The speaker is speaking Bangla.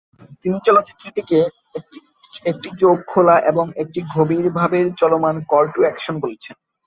তিনি চলচ্চিত্রটিকে "একটি চোখ খোলা এবং একটি গভীরভাবে চলমান কল টু অ্যাকশন" বলেছেন।